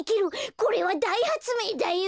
これはだいはつめいだよ！